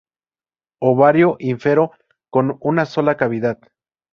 Ovario ínfero, con una sola cavidad.